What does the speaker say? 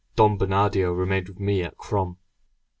Don Bernardino remained with me at Crom.